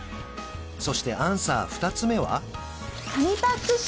そしてアンサー２つ目は？